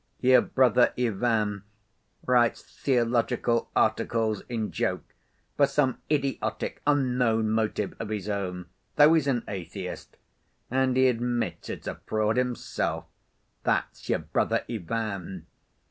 Your brother Ivan writes theological articles in joke, for some idiotic, unknown motive of his own, though he's an atheist, and he admits it's a fraud himself—that's your brother Ivan.